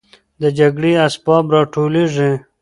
د جګړې اسباب راټولېږي.